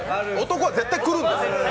男は絶対くるんです。